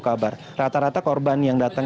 kabar rata rata korban yang datang